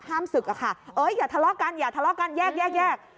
ศึกอะค่ะอย่าทะเลาะกันอย่าทะเลาะกันแยกแยก